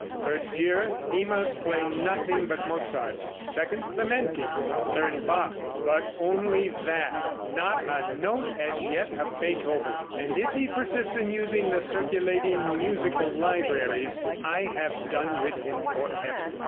The first year he must play nothing but Mozart, the second Clementi, the third Bach; but only that not a note as yet of Beethoven, and if he persists in using the circulating musical libraries, I have done with him forever."